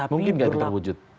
mungkin gak akan terwujud